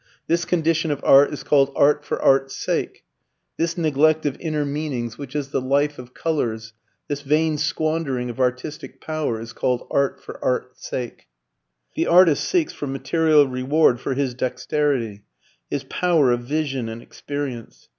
This condition of art is called "art for art's sake." This neglect of inner meanings, which is the life of colours, this vain squandering of artistic power is called "art for art's sake." The artist seeks for material reward for his dexterity, his power of vision and experience.